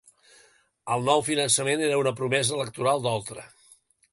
El nou finançament era una promesa electoral d'Oltra